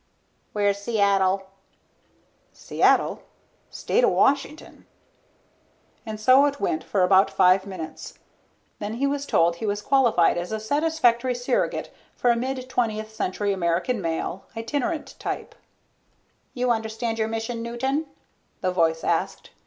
"Where's Seattle?" "Seattle? State o' Washington." And so it went for about five minutes. Then he was told he had qualified as a satisfactory surrogate for a mid twentieth century American male, itinerant type. "You understand your mission, Newton?" the voice asked.